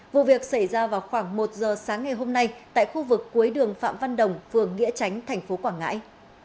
vụ việc xảy ra vào khoảng một giờ sáng ngày hôm nay tại khu vực cuối đường phạm văn đồng phường nghĩa chánh thành phố quảng ngãi